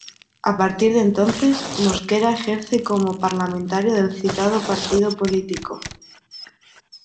A partir de entonces, Mosquera ejerce como parlamentario del citado partido político.